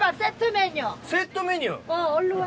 セットメニュー？